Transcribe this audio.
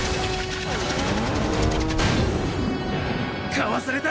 かわされた！